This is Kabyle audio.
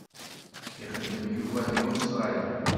Ixeddem Yuba di Ustralya?